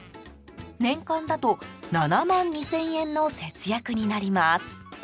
年間だと７万２０００円の節約になります。